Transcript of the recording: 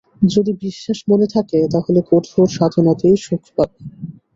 যদি বিশ্বাস মনে থাকে তা হলে কঠোর সাধনাতেই সুখ পাবে।